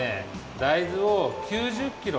大豆を９０キロ。